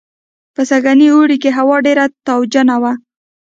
په سږني اوړي کې هوا ډېره تاوجنه وه